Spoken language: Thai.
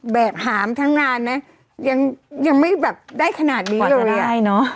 แบบหามทั้งงานเนี้ยยังยังไม่แบบได้ขนาดดีกว่าจะได้เนอะ